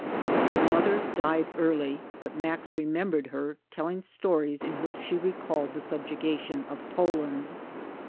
The mother died early but Max remembered her telling stories in which she recalled the subjugation of Poland.